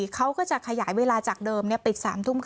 เขาก็จะขยายเวลาจากเดิมเนี่ยปิด๓๓๐